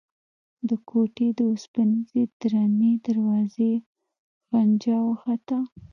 د کوټې د اوسپنيزې درنې دروازې غنجا وخته.